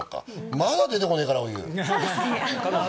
まだ出てこねえかな、お湯。